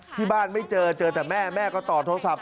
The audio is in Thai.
ไม่เจอเจอแต่แม่แม่ก็ต่อโทรศัพท์